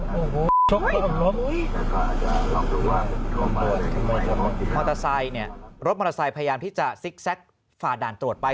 รถมอเตอร์ไซค์พยายามที่จะซิกแซกฝ่าด่านตรวจไป